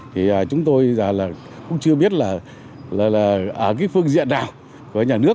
thì chúng tôi là cũng chưa biết là ở cái phương diện nào của nhà nước